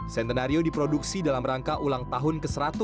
centenario diproduksi dalam rangka ulang tahun ke seratus